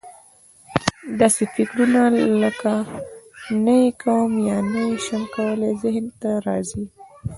داسې فکرونه لکه: نه یې کوم یا نه یې شم کولای ذهن ته راځي.